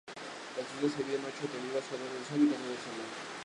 La estructura se divide en ocho tendidos, cuatro de sol y cuatro de sombra.